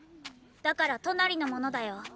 だからトナリのものだよ。